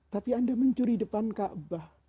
tapi anda mencuri depan kaabah